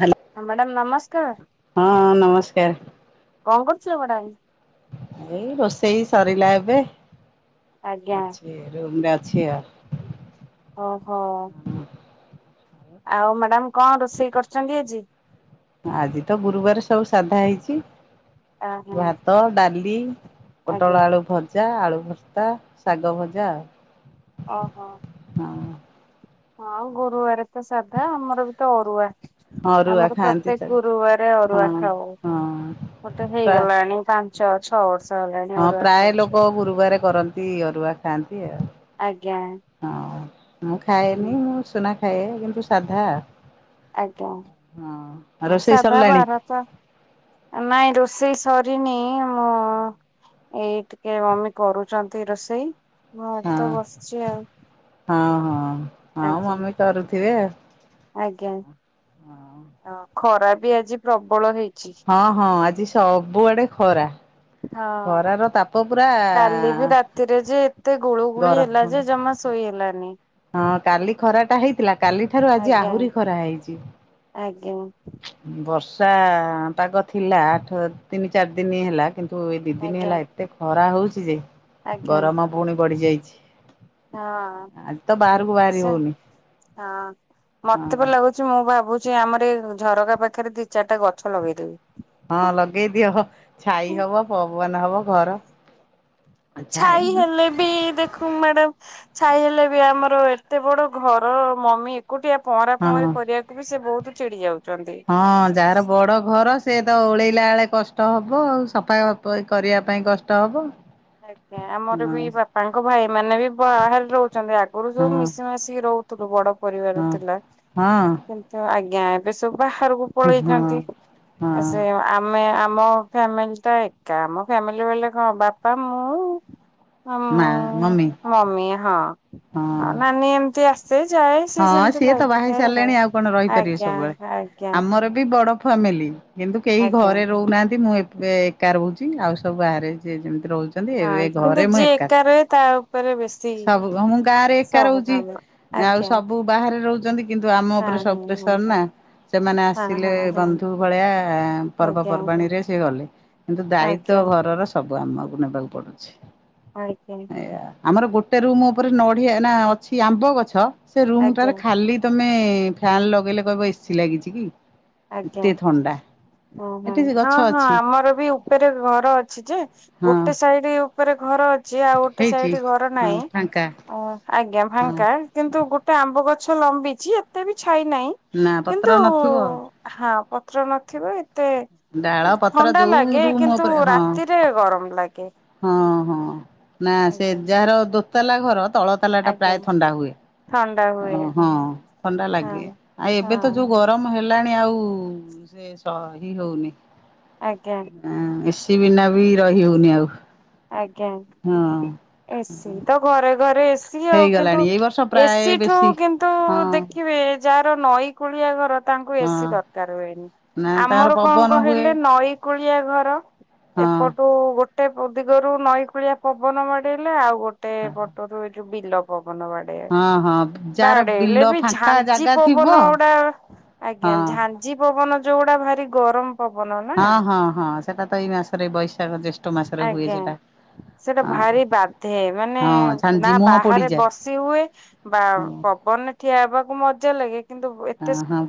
Hello ହଁ madam ନମସ୍କାର୍ ହଁ ନମସ୍କାର କଣ କରୁଚ ମାଡାମ୍? ଏଇ ରୋଷେଇ ସରିଲା ଏବେ ଆଜ୍ଞା ଅଛି ରୁମ୍ ରେ ଅଛି ଆଉ। ଓହୋ। ଆଉ ମ୍ୟାଡାମ୍ କଣ ରୋଷେଇ କରିଛନ୍ତି ଆଜି? ଆଜି ତ ଗୁରୁବାର ସବୁ ସାଧା ହେଇଛି। ଆ ହଁ ଭାତ ଡାଲି ଆଜ୍ଞା ପୋଟଳ ଆଳୁ ଭ ଜା ଆଳୁ ଭର୍ତା ଶାଗ ଭଜା ଆଉ। ଓହୋ। ହଁ। ହଁ ଗୁରୁବାରେ ତ ସାଧା ଆମର ବି ତ ଅରୁଆ। ହଁ ଅରୁଆ ଆମର ଖାଆନ୍ତି ତ ପ୍ରତ୍ୟେକ୍ ଗୁରୁବାରେ ହଁ ଅରୁଆ ଖାଉ ହଁ ବୋଧେ ପ୍ରା ହେଇଗଲାଣି ପାଁ ଞ୍ଚ ଛଅ ବର୍ଷ ହେଲାଣି ଅରୁଆ ଖାଉଛୁ। ଗୁରୁବାରେ କରନ୍ ନ୍ତି ଅରୁଆ ଖାଆନ୍ତି ଆଉ। ଆଜ୍ଞା। ହଁ ମୁଁ ହୁଁ ଖାଏନି ମୁଁ ଉସୁନା ଖାଏ କିନ୍ତୁ ସାଧା। ଆଜ୍ଞା ହଁ ରୋଷେଇ ସରିଲାଣି ସାଧାବାର ତ। ନାଇଁ ରୋଷେଇ ସରିନି ମୁଁ ଏଇ ଟିକେ ମମି କରୁଚନ୍ତି ରୋଷେଇ ମୁଁ ଏ ହଁ ତ ବସିଛି ଆଉ। ହଁ ହଁ ହଁ ଆଜ୍ଞା ମମି କରୁଥିବେଆଉ। ଆଜ୍ଞା ଅ ଖରା ବି ଆଜି ପ୍ରବଳ ହେଇଛି। ହଁ ହଁ ଆଜି ସବୁଆଡେ ଖରା। ହଁ ଖରାର ତାପ ପୁରା କାଲି ବି ରା ତି ରେ ଯେ ଏତେ ଗୁଳୁ ଗୁଳି ଗରମ ହେଲା ଯେ ଜମା ଶୋଇ ହେଲାନି। ହଁ କାଲି ଖରାଟା ହେଇଥିଲା, କାଲି ଠାରୁ ଆଜି ଆଜ୍ଞା ଆହୁରି ଖରା ହେଇଚି। ଆଜ୍ଞା ବର୍ଷା ପାଗ ଥିଲା ଆଠ ତିନି ଚାରି ଦିନ ହେଲା କି ତୁ ଏଇ ଦି ଦିନ ଆଜ୍ଞା ହେଲା ଏତେ ଖରା ହଉଛି ଯେ ଆଜ୍ଞା ଗରମ ପୁଣି ବଢି ଯାଇଛି। ହଁ ଆଜି ତ ବାହାରକୁ ବାହାରି ସେ ହଉନି ହଁ ମତେ ବି ଲାଗୁ କହୁଛି ମୁଁ ଭାବୁଛି ଆମର ଏ ଝରକା ପାଖରେ ଦି ଚାରିଟା ଗଛ ଲଗେଇଦେବି। ହଁ ଲଗେଇ ଦିଅବ ଛାଇ ହବ ପବନ ହବ ଘର। ଛାଇ ହେଲେ ବି ଦେଖୁ ମ୍ୟାଡ଼ାମ ଛାଇ ହେଲେ ବି ଆମର ଏତେ ବଡ ଘର ମମି ଏକୁଟିଆ ପହଁରା ହଁ ପହଁରି କରିବାକୁ ବି ସେ ବହୁତ ଚିଡି ଯାଉଛନ୍ତି। ହଁ ଯାହାର ବଡ ଘର ସେ ତ ଓଳେଇଲା ବେଳେ କଷ୍ କଷ୍ଟ ହବ ଆଉ ସଫା ହଁ କରିବା ପାଇଁ କଷ୍ଟ ହବ। ଆଜ୍ଞା ଆମର ହଁ ବି ବାପାଙ୍କ ଭାଇ ମାନେ ବି ବାହାରେ ରହୁଛନ୍ତି ଆଗରୁ ହଁ ସବୁ ମିଶି ମାସିକି ରହୁ ସବୁଠୁ ବଡ ପରିବାର ହଁ ଥିଲା ହଁ କିନ୍ତୁ ଆଜ୍ଞା ଏବେ ସବୁ ବାହାରକୁ ହଁ ପଳେଇଛନ୍ତି ଆ ହଁ ସେ ଆପ୍ ମେଁ ଆମ ଫ୍ୟାମିଲି ଟା ଏକା ଆମ ଫ୍ୟାମିଲି ବଲେ କଣ ବାପା ମୁଁ ଆଉ ମା ମମି ମମି ହଁ ହଁ ନାନୀ ଏମତି ଆ ସେ ଯାଏ ସେ ହଁ ସେମିତି ସିଏ ତ ବାହା ହେଇ ଲାଗିଥା ଏଲା ସାରିଲେଣି ଆଉ କଣ ରହିପାରିବେ ଆଜ୍ଞା ସବୁବେଳେ। ଆଜ୍ଞା। ଆମର ବି ବଡ ଫ୍ୟାମିଲି କିନ୍ତୁ କେହି ଆଜ୍ଞା। ଘରେ ରହୁନାହାନ୍ତି ମୁଁ ଏବେ ଏକା ରହୁଛି ଆଉ ସବୁ ବାହାରେ ଯିଏ ଯେମିତି ରହୁଛି। ରହୁଛନ୍ତି ଏବେ ହଁ କିନ୍ତୁ ଘରେ ମୁଁ ଯିଏ ଏକା ରହେ ତା ଉପରେ ବେଶୀ ସବୁ କୁ ମୁଁ ଗାଁ ରେ ଏକା ସବୁ ରହୁଛି କାମ ଆଉ ଆଜ୍ଞା ସବୁ ବାହାରେ ରହୁଛନ୍ତି କିନ୍ତୁ ଆମ ଉପରେ ହଁ ହଁ ସବୁ ହଁ ପ୍ରେସର ହଁ ନା। ସେମାନେ ଆସିଲେ ହଁ ହଁ ହଁ। ବନ୍ଧୁ ଭଳିଆ ଆଜ୍ଞା ପର୍ବପର୍ବାଣିରେ ସେ ଗଲେ। କିନ୍ତୁ ଆଜ୍ଞା ଦାୟିତ୍ଵ ଘରର ସବୁ ଆମକୁ ନେବାକୁ ପଡୁଛି। ଆଜ୍ଞା। ଏୟା ଆମର ଗୋଟେ ରୁମ ଉପରେ ନଡିଆ ନା ଅଛି ଆମ୍ବ ଗଛ ସେ ରୁମ ଆଜ୍ଞା ଟାରେ ଖାଲି ତମେ ଫ୍ୟାନ ଲଗେଇଲେ କହିବ ଏସିି ଲାଗିଛି କି ଏତେ ଥଣ୍ଡା। ଓଁ ହୋ ଏଠି ସେ ହଁ ଗଛ ହଁ ଅଛି ଆମର ବି ଉପରେ ଘର ଅଛି ଯେ ହଁ ଗୋଟେ ସାଇଡ ଉ ତା ଉପରେ ଘର ଅଛି ଆଉ ଗୋଟେ ହେଇଛି ସାଇଡ ଘର ହଁ ନାାଇଁ ଫାଙ୍କା। ଅ ଆଜ୍ଞା ହଁ ଫାଙ୍କା କିନ୍ତୁ ଗୋଟେ ଆମ୍ବ ଗଛ ଲମ୍ବିଛି ଏତେ ବି ଛାଇ ନାହିଁ ନା ପତ୍ର କିନ୍ତୁ ନଥିବ ହଁ ପତ୍ର ନଥିବ ଏ ମତେ ଡାଳ ପତ୍ର ଥଣ୍ଡା ଯୋଉ ଲାଗେ ରୁମ୍ କିନ୍ତୁ ଉପରେ ହଁ ରାତିରେ ଗରମ ଲାଗେ। ହଁ ହଁ ନା ସେ ଆଜ୍ଞା ଯାହାର ଦୋତାଲା ଘର ତଳ ତାଲା ଟା ଆଜ୍ଞା ପ୍ରାୟ ଥଣ୍ଡା ହୁଏ, ଥଣ୍ଡା ହୁଏ ହଁ ଥଣ୍ଡା ହଁ ଲାଗେ, ଆଉ ଏବେ ତ ହଁ ଯୋଉ ଗ ଗରମ ହେଲାଣି ଆଉ ସେ ସ ହି ହଉନି। ଆଜ୍ଞା। ହଁ ଏସି ବିନା ବି ରହି ହଉନି ଆଉ। ଆଜ୍ଞା, ହଁ ଏସି ତ ଘରେ ଘରେଏସ ସିଏ ଆଉ କିନ୍ତୁ ହେଇଗଲାଣି ଏଇ ବର୍ଷ ପ୍ରାୟ ଏସିଠୁ ବେଶୀ କିନ୍ତୁ ହଁ ଦେଖିବେ ଯାହାର ନଈ କୂଳିଆ ଘର ତାଙ୍କୁ ହଁ ଏସି ଦରକାର ହୁଏନି। ନା ତାଙ୍କର ଆମର କଣ ପବନ ହୁଏ କହିଲେ ନଈ କୂଳିଆ ଘର ହଁ ଏପଟୁ ଗୋଟେ ଦିଗରୁ ନଈକୂଳିଆ ପବନ ବାଡେଇଲେ ଆଉ ଗୋଟେ ପଟରୁ ଏଇଠୁ ବିଲ ପବନ ବାଡେଇ ହଁ ହଁ ଯାହାର ବାଡେଇଲେ ବିଲ ବି ଫାଙ୍କା ଝାଞ୍ଜି ଜାଗା ଥିବ ପବନ ଗୁଡା ଆଜ୍ଞା ହଁ ଝାଞ ଞ୍ଜି ପବନ ଯୋଉଗୁଡା ଭାରି ଗରମ। ପବନ ନା ହଁ ହଁ ହଁ ସେଟା ତ ଏଇ ମାସରେ ବୈଶାଖ ଜ୍ୟେଷ୍ଠ ମାସରେ ହୁଏ ଆଜ୍ଞା। ସେଟା। ସେଟା ହଁ ଭାରି ବାଧେ ମାନେ ହଁ ଝାଞ୍ଜି ନା ମୁହଁ ବାହାରେ ପୋଡିଯାଏ ବସି ହୁଏ ବା ଅ ହଁ ପବନରେ ଠିଆ ହେବାକୁ ମଜା ଲାଗେ କିନ୍ତୁ ବ ଏତେ ସ ହଁ